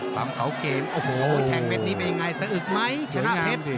ความเก่าเกมโอ้โหแทงเม็ดนี้เป็นยังไงสะอึกไหมชนะเพชร